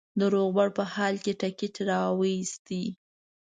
د روغبړ په حال کې ټکټ را وایست.